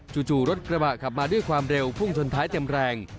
จู่รถกระบะขับมาด้วยความเร็วพุ่งชนท้ายเต็มแรง